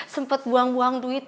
sempet buang buang duit